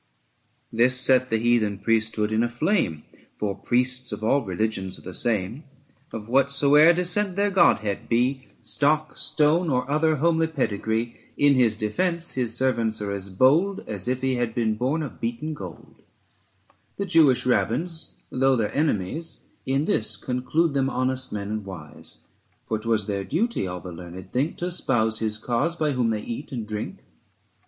This set the heathen priesthood in a flame, For priests of all religions are the same. Of whatsoe'er descent their godhead be, 100 Stock, stone, or other homely pedigree, In his defence his servants are as bold, As if he had been born of beaten gold. ABSALOM AND ACHITOPHEL. The_Jewish Rabbins^ though their enemies, In this conclude them honest men and wise: 105 For 'twas their duty, all the learned think, To espouse his cause by whom they eat and drink.